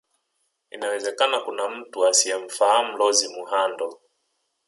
Inawezeka kuna mtu asiyemfahamu Rose Muhando